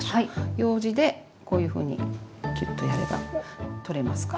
ようじでこういうふうにキュッとやれば取れますから。